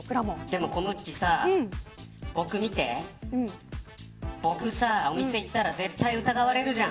でもコムッチさ、僕を見て僕お店に行ったら絶対疑われるじゃん。